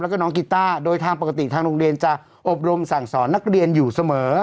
แล้วก็น้องกีต้าโดยทางปกติทางโรงเรียนจะอบรมสั่งสอนนักเรียนอยู่เสมอ